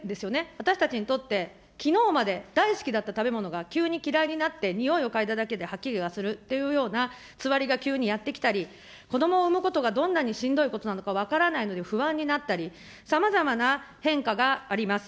私たちにとって、きのうまで大好きだった食べ物が急に嫌いになって、においを嗅いだだけで吐き気がするというようなつわりが急にやってきたり、子どもを生むことがどんなにしんどいことなのか分からないのに不安になったり、さまざまな変化があります。